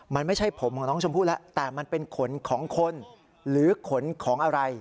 มันไม่ใช่ผมของน้องชมพู่แล้วแต่มันเป็นขนของคนหรือขนของอะไร